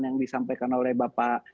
yang disampaikan oleh bapak